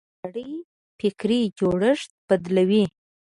خط د نړۍ فکري جوړښت بدل کړ.